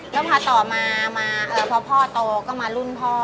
แล้วพอต่อมาพอพ่อโตก็มารุ่นพ่อ